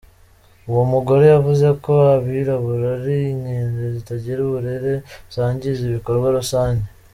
Uwo mugore yavuze ko abirabura ari inkende zitagira uburere, zangiza ibikorwa rusange.